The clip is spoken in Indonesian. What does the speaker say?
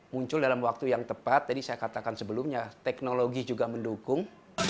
muncul dalam waktu yang tepat tadi saya katakan sebelumnya teknologi juga mendukung